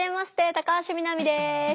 高橋みなみです。